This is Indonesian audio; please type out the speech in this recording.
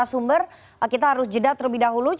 ada mekanisme yang harus dilalui